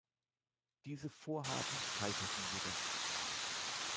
Diese Vorhaben scheiterten jedoch.